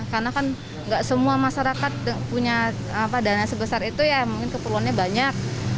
karena kan enggak semua masyarakat punya dana sebesar itu ya mungkin keperluannya banyak